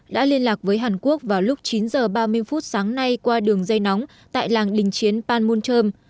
đã liên lạc với hàn quốc vào lúc chín h ba mươi phút sáng nay qua đường dây nóng tại làng đình chiến panmunjom